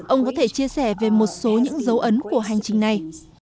ông có thể chia sẻ về một số những dấu ấn của hành trình này